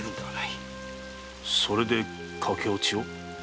それで駆け落ちを？